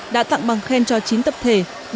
đã tặng bằng khen cho chín tập thể